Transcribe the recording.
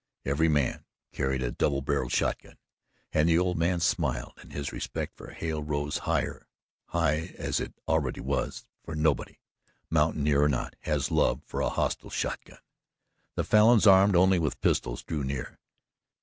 Every man carried a double barrelled shotgun, and the old man smiled and his respect for Hale rose higher, high as it already was, for nobody mountaineer or not has love for a hostile shotgun. The Falins, armed only with pistols, drew near.